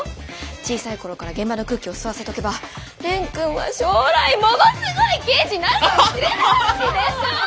小さい頃から現場の空気を吸わせとけば蓮くんは将来ものすごい刑事になるかもしれないし！でしょ？